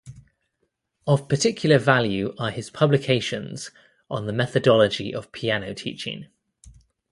Of particular value are his publications on the methodology of piano teaching.